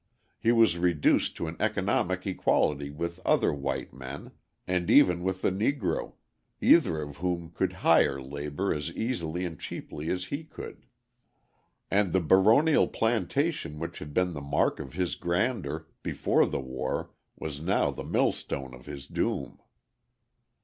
He was reduced to an economic equality with other white men, and even with the Negro, either of whom could hire labour as easily and cheaply as he could. And the baronial plantation which had been the mark of his grandeur before the war was now the millstone of his doom.